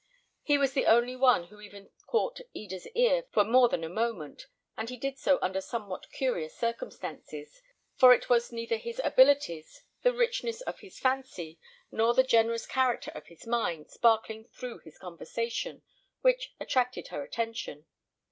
He was the only one who even caught Eda's ear for more than a moment, and he did so under somewhat curious circumstances, for it was neither his abilities, the richness of his fancy, nor the generous character of his mind, sparkling through his conversation, which attracted her attention.